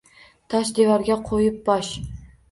Tosh devorga qo’yib bosh.